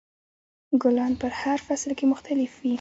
ګلان په هر فصل کې مختلف وي.